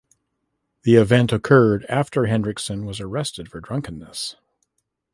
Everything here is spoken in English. The event occurred after Henriksson was arrested for drunkenness.